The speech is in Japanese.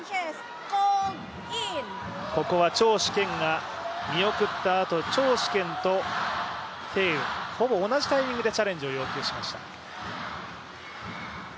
ここは張殊賢が見送ったあと張殊賢と鄭雨、ほぼ同じタイミングでチャレンジを要求しました。